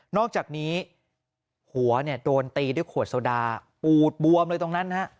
อกจากนี้หัวโดนตีด้วยขวดโซดาปูดบวมเลยตรงนั้น